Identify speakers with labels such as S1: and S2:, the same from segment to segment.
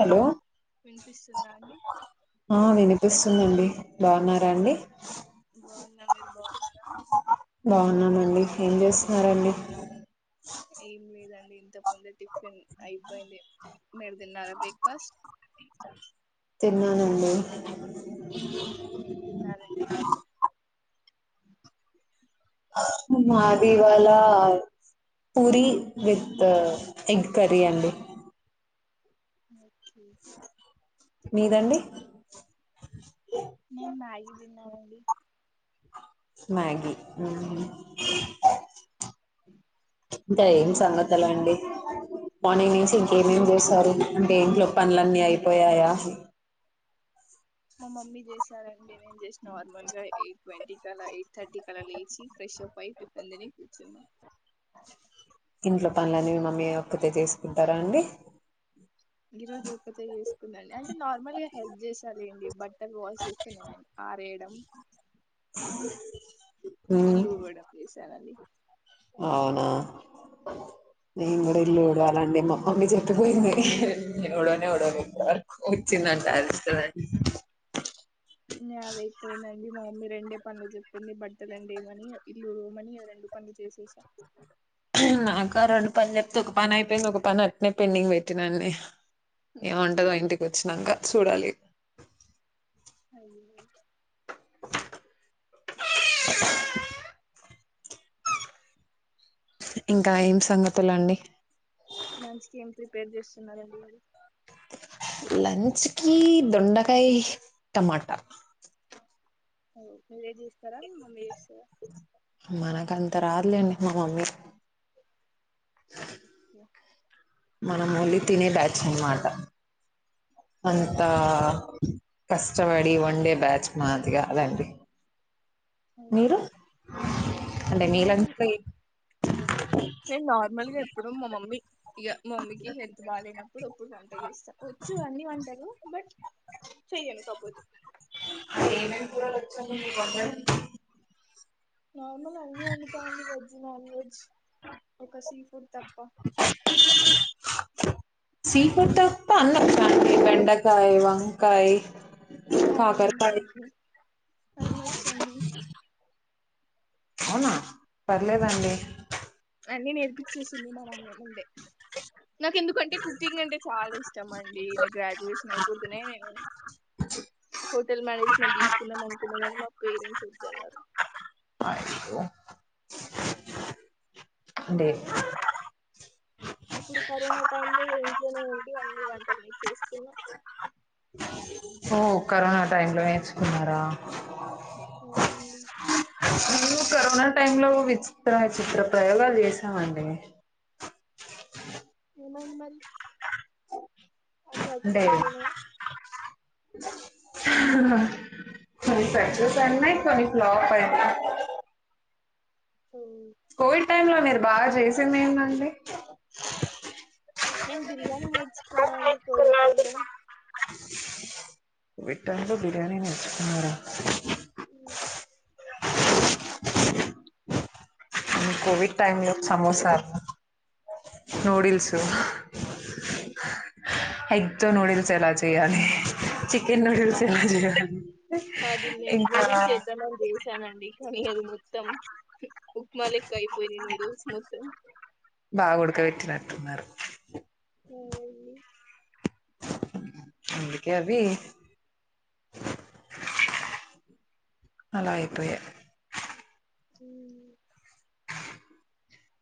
S1: Hello
S2: వినిపిస్తుందా అండి
S1: అవునండీ బాగున్నారా అండి
S2: బాగున్నా మీరు బాగున్నారా
S1: అండి ఏం చేస్తున్నారండి
S2: ఏం లేదండి ఇంతకు ముందు టిఫిన్ అయిపోయింది మీరు తిన్నారా బ్రేక్ ఫాస్ట్
S1: తిన్నానండి
S2: ఏమి తిన్నారండి
S1: మాది ఇవాళ పూరి విత్ ఎగ్ కర్రీ అండి.
S2: ఓ
S1: మీదండి
S2: నేను మ్యాగీతిన్నాను అండి
S1: మ్యాగి మ్మ్మ్
S2: [inaudible]
S1: ఇంకా ఏం సంగతులు అండి. మార్నింగ్ నుంచి ఇంకేమేమి చేస్తారు. అంటే ఇంట్లో పనులన్నీ అయిపోయాయా.
S2: మా మమ్మీ చేసారండి. నేను చేసిన నార్మల్గా ఎయిట్ ట్వంటీ క అలా. ఎయిట్ థర్టీ క అలా. లేచి ఫ్రష్అప్ టిఫన్ని తిని కూర్చున్నా.
S1: ఇంట్లో పనులనేవి మమ్మీ ఒక్కతే చేసుకుంటారా అండి
S2: ఈ రోజు ఒక్కతే చేసుకుందండి అంటే నార్మల్ గ వచ్చేసింది సరే అండి. బట్టల్ వాష్ చేస్తా నేను ఆరేయడం
S1: [inaudible]
S2: ఇల్
S1: మ్మ్.
S2: ఉఊబడా ప్లేస్ అ అని
S1: అవునా నే కూడా
S2: అవునండి
S1: ఇల్లుడవాలండి మా మమ్మీ చెప్పిపోయింది ఊడవనే ఊడవలా ఇంత వరకు వచ్చిందంట తాటదిస్తది
S2: నాది అయిపోయిందండి మా మమ్మీ రెండే పనులు చెప్పింది బట్టలను తీమని ఇల్లు ఊడవమని రెండు పనులు చేసేసాం
S1: నాక రెండు పని చెప్తే ఒక పని అయిపోయింది ఒక పని అట్నే పెండింగ్ పెట్టినాన్ని ఏమంటదో ఇంటికి వచ్చినంగా చూడాలి
S2: హ్మ్
S1: [inaudible] ఇంకా ఏం సంగతులండి
S2: లంచ్కకి ఏం ప్రిపేర్ చేస్తున్నారండి వాళు
S1: లంచ్ కి దొండకాయ టమాటా
S2: ఓ మీరే చేస్తారా మమ్మీ చేస్తారా
S1: మనకంత రాదులేండి మా మమ్మీ
S2: అ ఓకే
S1: మనం ఓన్లీ తినే బ్యాచ్ అనమాట అంతా కష్టపడి వన్ డే బ్యాచ్ మాదిగా అదండి
S2: ఓ,
S1: మీరు అంటే మీ లంచ్ లో
S2: న నార్మల్గా ఎప్పుడు మా మమ్మీ ఇ మా మమ్మీకి హెల్త్ బాగాలేనప్పుడు అప్పుడు వంట చేస్తా వచ్చు అన్ని వంటలు బట్ చెయ్యను కబదు
S1: అ ఏమ ప క్షం ఉ బంట
S2: నార్మల్ అన్నీ వండుతా అండి వెజ్ నాన్ వెజ్ ఒక సీ ఫుడ్ తప్ప
S1: సీ ఫుడ్ అన్నీ వచ్చాండి బెండకాయ వంకాయ
S2: అవునండి
S1: కాకరకాయ
S2: అన్ని వ
S1: అవునా పర్లేదండి
S2: అన్నే నేర్పించేసింది మా నాన్న నుండే నాకు ఎందుకంటే కుకింగ్ అంటే చాలా ఇష్టం అండి న గ్రాడ్యుయేషన్ అయిపోతేనే నేను హోటల్ మేనేజ్మెంట్ తీసుకుందాం అనుకున్నామ కాని మా పేరెంట్స్ వద్దు అన్నారు
S1: అయ్యో అండి
S2: అలా అప్పుడు కరోనా టైం లో ఇగ ఇంట్లోనే ఉంటి అన్ని వంటలు నేర్చుచేసుకున్న
S1: ఓ కరోనా టైం లో నేర్చుకున్నారా
S2: అవునండి
S1: మేము కరోనా టైం లో విచిత్ర విచిత్ర ప్రయోగాలు చేసామండి
S2: ఎలా ఉన్నాయి మరి అన్ని
S1: అంటే
S2: అతుక్కుపోయినాయా
S1: చూసా చూసాను అన్ని కోవిడ్ లో [unintelligible]
S2: ఓ,
S1: కోవిడ్ టైం లో మీరు బాగా చేసింది ఏంటండీ
S2: నేను బిర్యాణి నేరుచుకున్నా అండి కోవిడ్ టైం లోనే
S1: విట్టన్ల బిర్యానీ నేర్చుకున్నారా
S2: అ ఉ
S1: కోవిడ్ టై లో సమోస నూడిల్స్ ఎగ్ తో నూడిల్స్ ఎలా చేయాలి చికెన్ నూడిల్స్ ఎలా చేయాలి
S2: అది
S1: ఇంకా
S2: కాని అది మొత్తం ఉప్మా లెక్క ఐపోయింది నూడిల్స్ మొత్తం
S1: బాగ ఉడకబెట్టినట్టున్నారు
S2: ఏం లేదండి
S1: అందుకే అవి అలా అయిపోయాయి
S2: ఉహు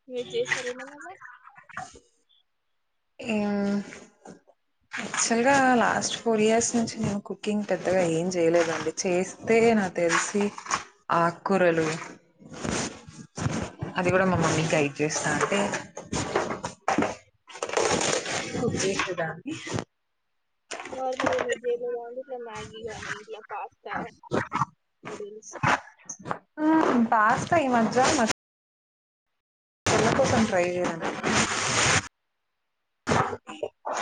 S2: మీరు చేశారా ఏమైనా అలా
S1: ఇమ్ యాక్చువల్ గా లాస్ట్ ఫోర్ ఇయర్స్ నుంచి నేను కుకింగ్ పెద్దగా ఏం చేయలేదండీ చేస్తే నాకు తెలిసి ఆకురాలు అది కూడా మా మమ్మీ గైడ్ చేస్తాంటే కుక్ చేసేదాన్ని
S2: నార్మల్గా మీరు చేయలేదా అండి ఇట్లా మ్యాగీ గానీ ఇట్లా పాస్తా నూడిల్స్
S1: పాస్త ఈ మధ్య మా నాకోసం ట్రై చేయరా మే [inaudible]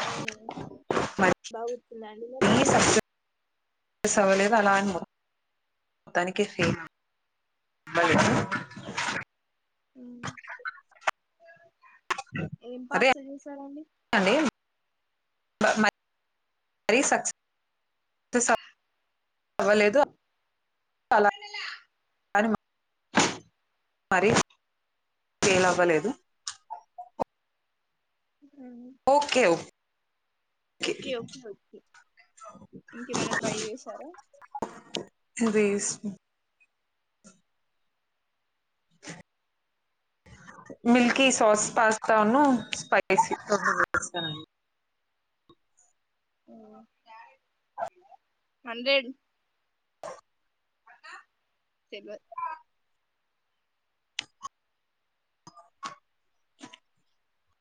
S2: అవునా బాగా వచ్చిందా అండి మరి
S1: ఈ సబ్జా సవ్వలేదు అలా అని మొత్తానికే [inaudible] ఫెల్ మళ్లీ
S2: ఉహు ఏం
S1: అదే
S2: పాస్తా చేసా చేసారండీ
S1: అండి [inaudible] మరీ సక్సెస్ [inaudible] అవ్వలేదు అలా అని మరి ఫెయిల్ అవ్వలేదు ఒకే ఒ
S2: ఒకే ఒకే ఒకే ఇంకేమైనా ట్రై చేశారా
S1: రేష్మి మిల్కీ సాస్ పాస్తాను స్పైసీ రెండు చేశానండి
S2: హండ్రెడ్ తెల్వదు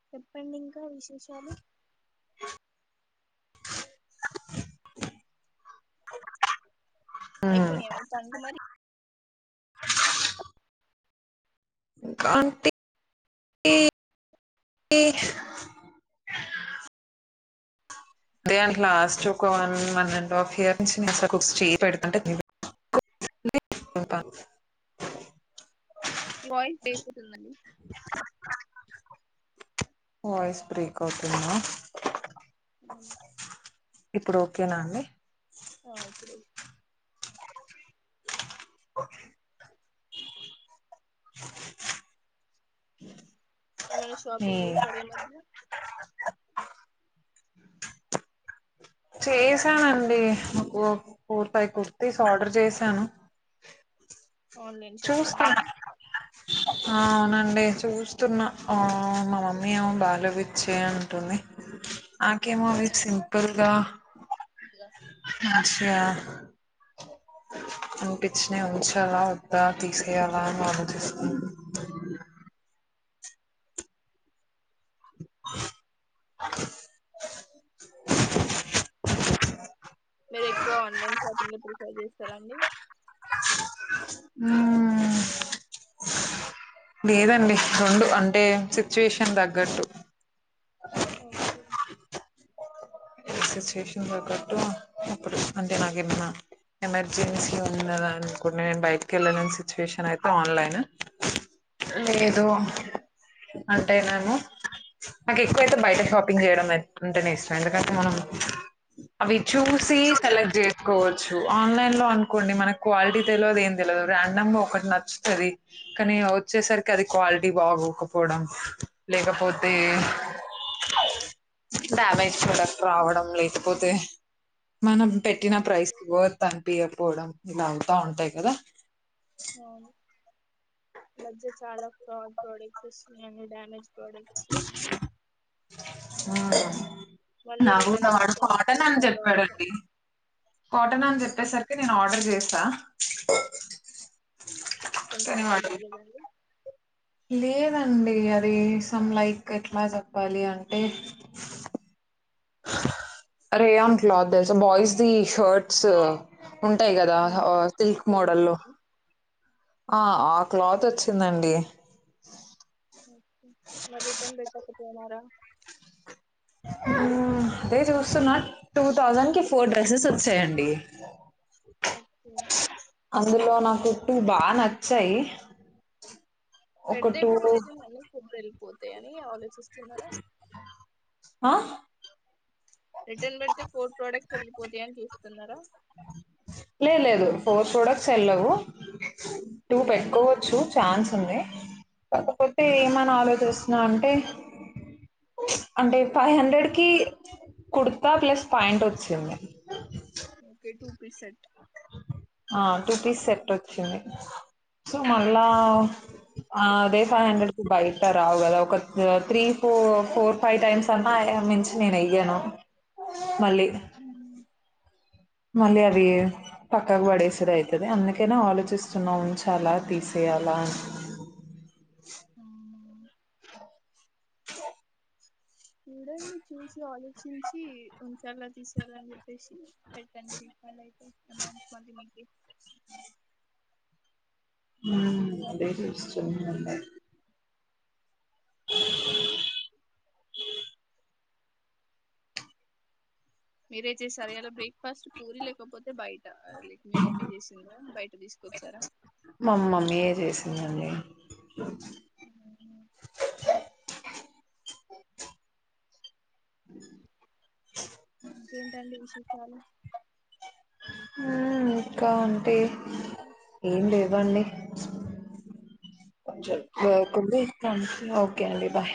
S2: చెప్పడింకా విశేషాలు ఇపోయినయ మీ పన్లు మరి
S1: అంటే ఇ ఈ అదే అంటున్న లాస్ట్ ఒక one one and half year నుంచి నేనసల్ కుక్స్ చేయి పెడుతుంటే [unintelligible] [unintelligible]
S2: మీ వాయిస్ బ్రేక్ అవుతుందండీ
S1: వాయిస్ బ్రేక్ అవుతుందా
S2: హ్మ్
S1: ఇప్పుడు ఓకేనా అండి
S2: ఇప్పుడు హ్మ్ ఏమైనా షాపింగ్
S1: ఈ-
S2: చేస్తారేమో అండి హ
S1: చేసానండి మాకు నాలుగు ఐదు కుర్చీలు కుర్తి ఆర్డర్ చేశాను
S2: ఆన్లైన్ షాపింగ్
S1: చూస్తాను
S2: అండి
S1: అవునండి చూస్తున్న మా మమ్మీ ఏవో భలే రిచ్చి అని అంటుంది నాకేమో రిచ్చి కర్గా
S2: ఇదిగా
S1: రిచ్చ్ గా అనిపించిన ఉంచాలా వద్దా తీసేయాలా అని ఆలోచిస్తాను.
S2: మీరు ఎక్కువ ఆన్లైన్ షాపింగ్ లో ప్రిఫర్ చేస్తారా అండి
S1: హ్మ్ లేదండి రెండు అంటే సిచ్యుయేషన్ తగ్గట్టు
S2: ఓకే
S1: సిచ్యువేషన్ తగటు ఇప్పుడు అంటే నాక్ ఏమన్నా ఎమర్జెన్సీ ఉంది అనుకునే బైట్కి వెళ్ళలేన్ సిచ్యువేషన్ అయితే ఆన్లైన్. లేదు అంటే నేను నాకు ఎక్కువ అయితే బయట షాపింగ్ చేయడంంటేనే ఇష్టం ఎందుకంటే. మనం అవి చూసి
S2: చూసింది
S1: సెలెక్ట్ చేసుకోవచ్చు ఆన్లైన్ [unintelligible] అనుకోండి మనకి క్వాలిటీ తెలియదు ఏం తెలియదు. రాండమ్ ఒకటి నచ్చుతుంది కానీ వచ్చేసరికి అది క్వాలిటీ బాగోకపోవడం లేకపోతే డ్యామేజ్ కూడా రావడం లేకపోతే మనం పెట్టిన ప్రైస్
S2: అవునండి
S1: వర్త్ అనిపియదు పోవడం ఇలా అంతా ఉంటాయి కదా
S2: అవును ఈ మధ్యలో చాలా ఫ్రాడ్ ప్రొడక్ట్స్ వస్తున్నాయి డమేజ్ అయినవి. ప్రొడక్ట్స్ అన్ని
S1: ఉ
S2: మళ్ళీ
S1: నా కూడా
S2: రిటర్న్
S1: వాడు
S2: ఆప్షన్
S1: కాటన్ అని
S2: రీఫండ్ ఆప్షన్
S1: చెప్పాడండి కాటన్ అని చెప్పేసరికి నేను ఆర్డర్ చేసిన హ
S2: కానీ
S1: అట్లానే
S2: కాంటెంట్ రాలేదండి
S1: మేడం లేేదండి సమ్ లైక్ ఎట్లా చెప్పాలి అంటే రేయాన్ క్లాత్ తెలుసా బాయ్స్ ది షర్ట్స్ ఉంటాయి కదా
S2: ఉమ్,
S1: ఆ సిల్క్ మోడల్ల్లో
S2: తెలుసండి
S1: ఆ ఆ క్లాత్ వచ్చిందండి
S2: మరి రిటర్న్ పెట్టకపోయినావ్ రా
S1: అదే చూస్తున్నా టూ థౌజండ్ కి ఫోర్ డ్రెస్సెస్ వచ్చాయండి
S2: ఓకే
S1: కుప్పుటు బాగా నచ్చాయి ఒక
S2: పెడుతే
S1: టూ
S2: ఇప్పుడు రీతన్ సూడ పోతే అని అర్ చూస్తున్నారా
S1: ఆ
S2: రిటర్న్ పెడితే ఫోర్ ప్రోడక్ట్స్ వెళ్లిపోతాయని చూస్తున ఉన్నారా
S1: లే లేదు ఫోరై ప్రోడక్స్ ఎల్లవు టూ పెట్కోవచ్చు ఛాన్స్ ఉంది కాకపోతే ఏమని ఆలోచిస్తున్నా అంటే అంటే ఫైవ్ హండ్రెడ్ కి కుడ్తా ప్లస్ పాయింట్ వచ్చింది
S2: ఓకే టూ పీసెట్
S1: ఆ టూ పీస్ సెట్ వచ్చింది సో మళ్ళా అదే ఫైవ్ హండ్రెడ్ కి బయట రావు కదా ఒక త్రీ ఫో ఫోర్ ఫైవ్ టైమ్స్ అన్నా మించి నేను ఎయ్యాను మళ్ళి మళ్ళీ అది పక్కకు పడేసేదవుతది అందుకైనా ఆలోచిస్తున్నా ఉంచాలా తీసేయాలా అని
S2: ఆ చూడండి చూసి ఆలోచించి ఉంచాల తీసెయలని చెప్పేసి పెట్టండి రీఫండ్ అయి అమౌంట్ మళ్ళి మీ
S1: అదే చూస్తున్నా
S2: మీరే చేసార ఇయలా బ్రేక్ఫాస్ట్ పూరి లేకపోతే బయట లైక్ మీ మమ్మీ చేసిందా బయట తీసుకొచ్చారా
S1: గనె
S2: అహ అ ఇంకేంటండి విశేష జాలు
S1: హు ఇంక అంటే ఏం లేదు వాన్ని
S2: ఓకే అండి మరి
S1: [inaudible] ఓకే అండి బాయ్